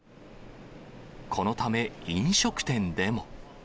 このため、飲食店でも。